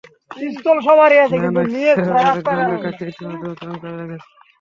না না, কী হবে আর গঙ্গা কাকী ইতিমধ্যে বুকিং করে রেখেছে।